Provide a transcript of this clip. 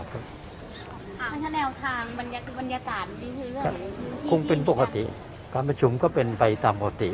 อ่าแนวทางบรรยาศาสตร์คงเป็นปกติการประชุมก็เป็นไปตามปกติ